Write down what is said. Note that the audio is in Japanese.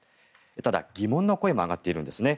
ただ、疑問の声も上がっているんですね。